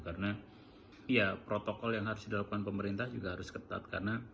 karena ya protokol yang harus dilakukan pemerintah juga harus ketat